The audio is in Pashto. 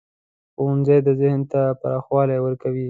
ښوونځی ذهن ته پراخوالی ورکوي